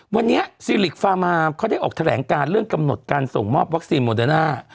วันนี้ซีลิกฟามาเขาได้ออกแถลงการเรื่องกำหนดการส่งมอบวัคซีนโมเดอร์น่า